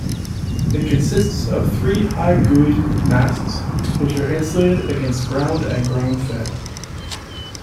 It consists of three -high guyed masts, which are insulated against ground and ground-fed.